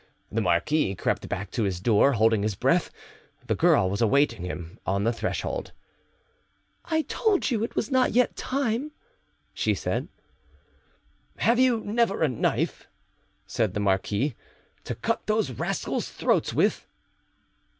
The marquis crept back to his door, holding his breath: the girl was awaiting him on the threshold. "I told you it was not yet time," said she. "Have you never a knife," said the marquis, "to cut those rascals' throats with?"